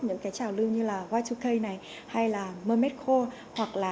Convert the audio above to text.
những cái trào lưu như là y hai k này hay là mermez core hoặc là